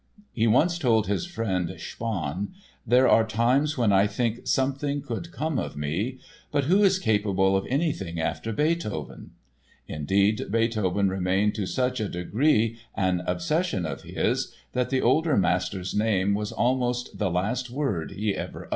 He once told his friend, Spaun: "There are times when I think something could come of me; but who is capable of anything after Beethoven?" Indeed, Beethoven remained to such a degree an obsession of his that the older Master's name was almost the last word he ever uttered.